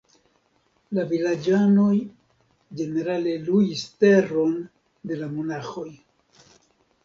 La vilaĝanoj ĝenerale luis teron de la monaĥoj.